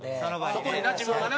そこにな自分がな。